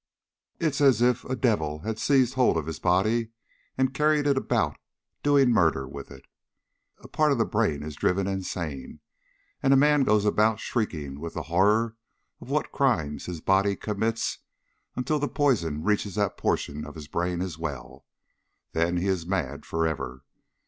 It is as if a devil had seized hold of his body and carried it about doing murder with it. A part of the brain is driven insane, and a man goes about shrieking with the horror of what crimes his body commits until the poison reaches that portion of his brain as well. Then he is mad forever.